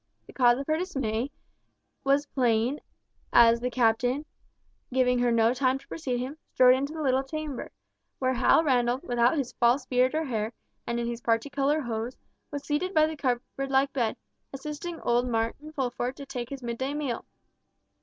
The cause of her dismay was plain as the Captain, giving her no time to precede him, strode into the little chamber, where Hal Randall, without his false beard or hair, and in his parti coloured hose, was seated by the cupboard like bed, assisting old Martin Fulford to take his midday meal.